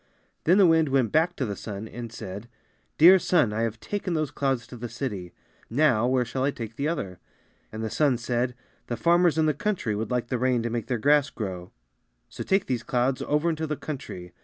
Then the wind went back to the sun and said, ^^Dear sun, I have taken those clouds to the city; now where shall I take the other?'' And the sun said, ^ "The farmers in the country would like the rain to make their grass grow; so take these clouds over into the country."